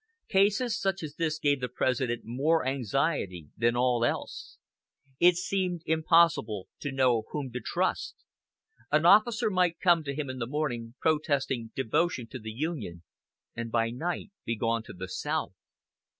Cases such as this gave the President more anxiety than all else. It seemed impossible to know whom to trust. An officer might come to him in the morning protesting devotion to the Union, and by night be gone to the South.